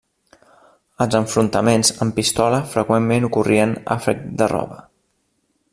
Els enfrontaments amb pistola freqüentment ocorrien a frec de roba.